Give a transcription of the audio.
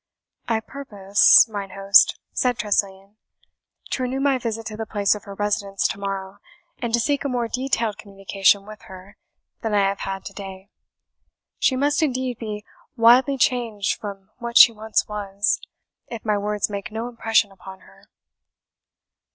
"I purpose, mine host," said Tressilian, "to renew my visit to the place of her residence to morrow, and to seek a more detailed communication with her than I have had to day. She must indeed be widely changed from what she once was, if my words make no impression upon her."